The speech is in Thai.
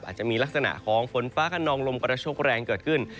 อาจจะมีลักษณะของฝนฟ้าขนองลมกระโชคแรงเกิดขึ้น